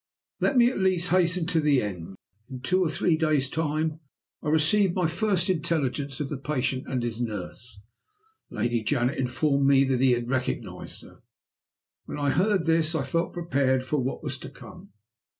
"Let me, at least, hasten to the end. In two or three days' time I received my first intelligence of the patient and his nurse. Lady Janet informed me that he had recognized her. When I heard this I felt prepared for what was to come.